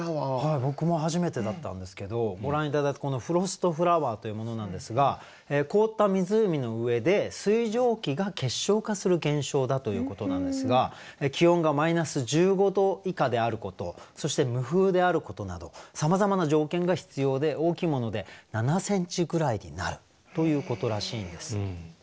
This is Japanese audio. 僕も初めてだったんですけどご覧頂いたこのフロストフラワーというものなんですが凍った湖の上で水蒸気が結晶化する現象だということなんですが気温がマイナス１５度以下であることそして無風であることなどさまざまな条件が必要で大きいもので７センチぐらいになるということらしいんです。